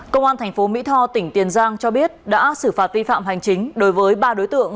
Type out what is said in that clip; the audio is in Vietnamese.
công an tp mỹ tho tỉnh tiền giang cho biết đã xử phạt vi phạm hành chính đối với ba đối tượng